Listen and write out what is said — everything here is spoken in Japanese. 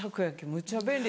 むっちゃ便利。